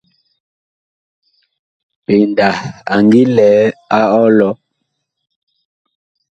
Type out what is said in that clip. PENDA a ngi lɛ a ɔlɔ.